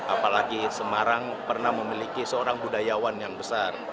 apalagi semarang pernah memiliki seorang budayawan yang besar